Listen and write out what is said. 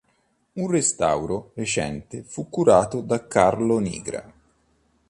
Un restauro più recente fu curato da Carlo Nigra.